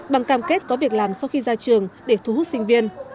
bằng cam kết có việc làm sau khi ra trường để thu hút sinh viên